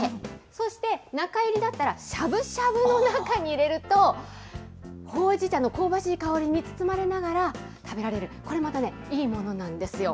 そして中いりだったら、しゃぶしゃぶの中に入れると、ほうじ茶の香ばしい香りに包まれながら、食べられる、これまたね、いいものなんですよ。